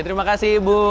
terima kasih ibu